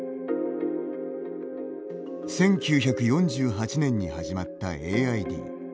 １９４８年に始まったＡＩＤ。